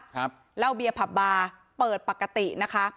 ครับเหล้าเบียร์ผับบาร์เปิดปกตินะคะ